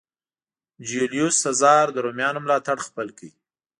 جیولیوس سزار د رومیانو ملاتړ خپل کړ.